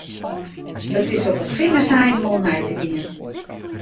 It is op 'e fingerseinen wol nei te gean.